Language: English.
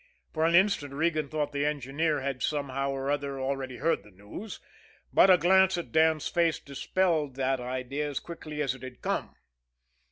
For an instant Regan thought the engineer had somehow or other already heard the news, but a glance at Dan's face dispelled that idea as quickly as it had come.